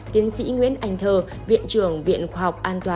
tiến sĩ nguyễn anh thơ viện trưởng viện khoa học an toàn và vệ sinh lao động